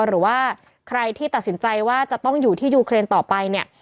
หรือว่าใครที่ตัดสินใจว่าจะต้องอยู่ที่ยูเครนต่อไปเนี่ย